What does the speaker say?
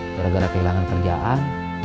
gara gara kehilangan kerjaan